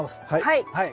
はい。